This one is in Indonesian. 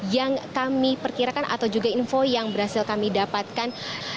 yang kami perkirakan atau juga info yang berhasil kami dapatkan